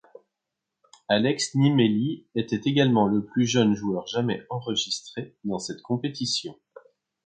Alex Nimely était également le plus jeune joueur jamais enregistré dans cette compétition.